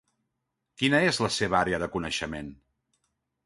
Quina és la seva àrea de coneixement?